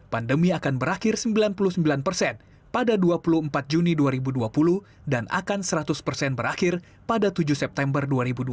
pandemi akan berakhir sembilan puluh sembilan persen pada dua puluh empat juni dua ribu dua puluh dan akan seratus persen berakhir pada tujuh september dua ribu dua puluh